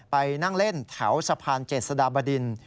ไปนั่งเล่นแถวสะพานเจษฎาบดิน